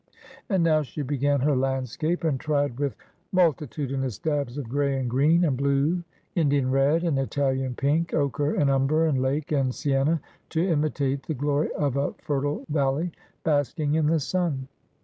And now she began her landscape, and tried with multitu dinous dabs of gray, and green, and blue, Indian red, and Italian pink, ochre, and umber, and lake, and sienna, to imitate the glory of a fe.tile valley basking in the sun.